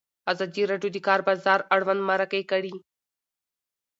ازادي راډیو د د کار بازار اړوند مرکې کړي.